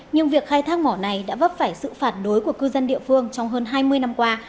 nhưng việc khai thác mỏ này đã vấp phải sự phản đối của cư dân địa phương trong hơn hai mươi năm qua